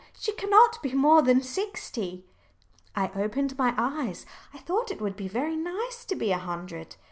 She cannot be more than sixty." I opened my eyes. I thought it would be very nice to be a hundred.